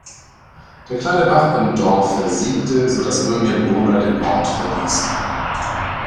Der kleine Bach im Dorf versiegte, sodass immer mehr Bewohner den Ort verließen.